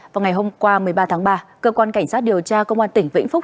vào ngày hôm qua một mươi ba tháng ba cơ quan cảnh sát điều tra công an tỉnh vĩnh phúc